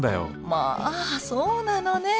まあそうなのね。